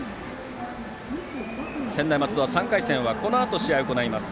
専大松戸の３回戦はこのあと試合を行います